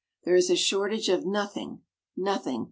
There is a shortage of nothing nothing!